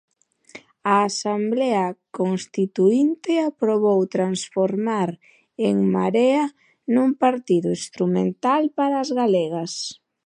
A asemblea constituínte aprobou transformar En Marea nun partido instrumental para as galegas.